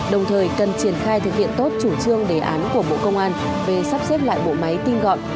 đồng thời cần triển khai thực hiện tốt chủ trương đề án của bộ công an về sắp xếp lại bộ máy tinh gọn